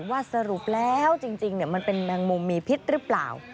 ว่าสรุปแล้วจริงมันเป็นแมงมุมมีพิษหรือเปล่า